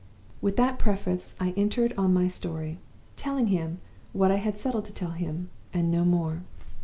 "With that preface I entered on my story, telling him what I had settled to tell him, and no more.